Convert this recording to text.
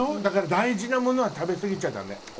だから大事なものは食べすぎちゃダメ。